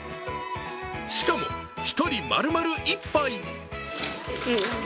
しかも、一人、丸々一杯。